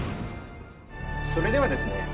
それではですね